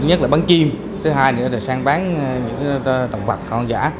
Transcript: thứ nhất là bán chim thứ hai là sáng bán những động vật con giả